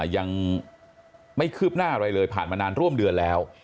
ยังไม่คืบหน้าอะไรเลยผ่านมานานร่วมเดือนแล้ว